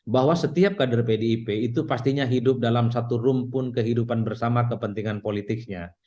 bahwa setiap kader pdip itu pastinya hidup dalam satu rumpun kehidupan bersama kepentingan politiknya